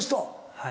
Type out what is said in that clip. はい。